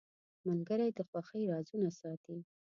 ملګری د خوښۍ رازونه ساتي.